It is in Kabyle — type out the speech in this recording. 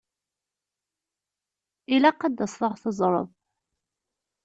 Ilaq ad taseḍ ad ɣ-teẓṛeḍ!